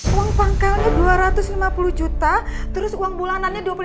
uang pangkalnya dua ratus lima puluh juta terus uang bulanannya dua puluh lima